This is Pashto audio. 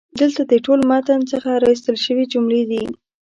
دلته د ټول متن څخه را ایستل شوي جملې دي: